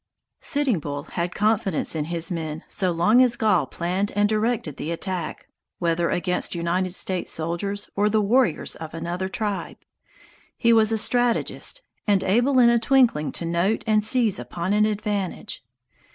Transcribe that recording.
Sitting Bull had confidence in his men so long as Gall planned and directed the attack, whether against United States soldiers or the warriors of another tribe. He was a strategist, and able in a twinkling to note and seize upon an advantage.